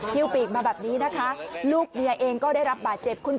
ปีกมาแบบนี้นะคะลูกเมียเองก็ได้รับบาดเจ็บ